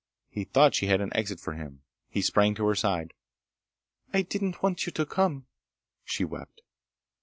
He thought she had an exit for him. He sprang to her side. "I ... I didn't want you to come," she wept.